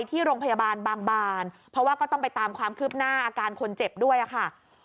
ที่โรงพยาบาลบางบานเพราะว่าก็ต้องไปตามความคืบหน้าอาการคนเจ็บด้วยค่ะ